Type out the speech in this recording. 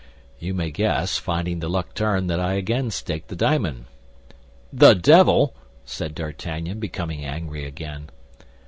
"You may guess, finding the luck turned, that I again staked the diamond." "The devil!" said D'Artagnan, becoming angry again.